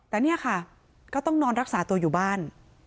แต่เนี่ยค่ะก็ต้องนอนรักษาตัวอยู่บ้าน